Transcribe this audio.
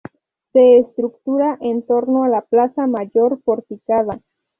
Se estructura en torno a la plaza mayor porticada.